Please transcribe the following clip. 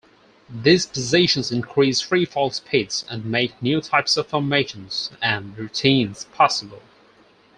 These positions increase freefall speeds and make new types of formations and routines possible.